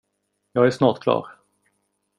Jag är snart klar.